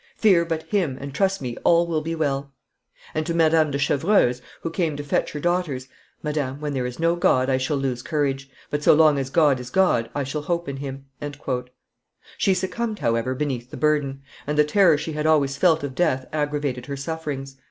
Fear but Him, and, trust me, all will be well;' and to Madame de Chevreuse, who came to fetch her daughters, 'Madame, when there is no God I shall lose courage; but, so long as God is God, I shall hope in Him.'" She succumbed, however, beneath the burden; and the terror she had always felt of death aggravated her sufferings.